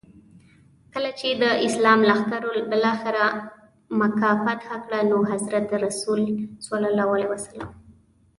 کله چي د اسلام لښکرو بالاخره مکه فتح کړه نو حضرت رسول ص.